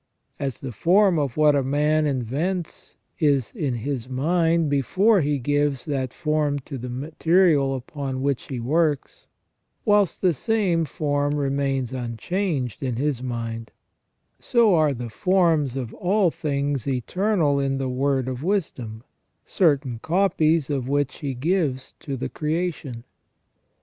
As the form of what a man invents is in his mind before he gives that form to the material upon which he works, whilst the same form remains unchanged in his mind ; so are the forms of all things eternal in the Word of Wisdom, certain copies of which He gives to the creation.